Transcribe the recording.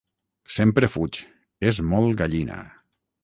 Sempre fuig: és molt gallina.